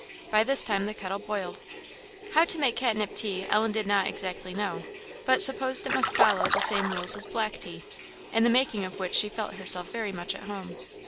By this time the kettle boiled. How to make catnip tea Ellen did not exactly know, but supposed it must follow the same rules as black tea, in the making of which she felt herself very much at home.